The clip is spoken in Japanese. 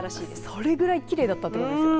それぐらいきれいだったということですか。